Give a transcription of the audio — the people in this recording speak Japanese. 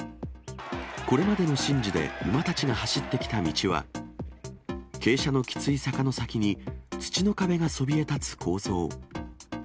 これまでの神事で馬たちが走ってきた道は、傾斜のきつい坂の先に、土の壁がそびえたつ構造。